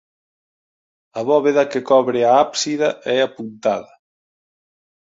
A bóveda que cobre a ábsida é apuntada.